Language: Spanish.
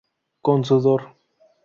Con sudor".